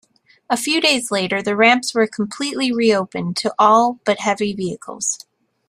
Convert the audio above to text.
A few days later the ramps were completely reopened to all but heavy vehicles.